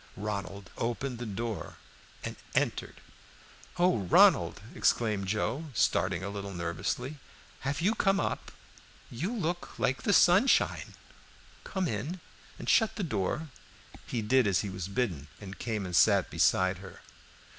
Ronald opened the door and entered. "Oh, Ronald!" exclaimed Joe, starting a little nervously, "have you come up? You look like the sunshine. Come in, and shut the door." He did as he was bidden, and came and sat beside her.